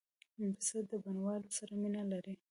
پسه د بڼوالو سره مینه لري.